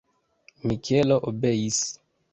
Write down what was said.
Mikelo obeis.